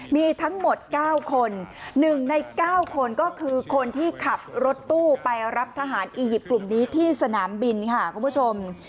มีทั้งหมด๙คน๑ใน๙คนก็คือคนที่ขับรถตู้ไปรับทหารอียิปต์กลุ่มนี้ที่สนามบินค่ะคุณผู้ชม